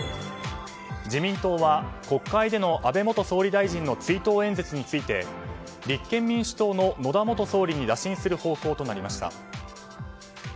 自民党は国会での安倍元総理大臣の追悼演説について立憲民主党の野田元総理に打診する方向となりました。